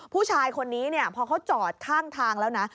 ผู้ชายคนนี้เนี่ยพอเขาจอดข้างทางแล้วนะ